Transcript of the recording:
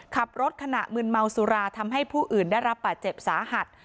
ขับรถขณะมืนเมาสุราทำให้ผู้อื่นได้รับบาดเจ็บสาหัส